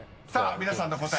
［皆さんの答え